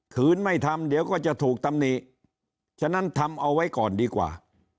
คืนไม่ทำเดี๋ยวก็จะถูกตำหนิฉะนั้นทำเอาไว้ก่อนดีกว่า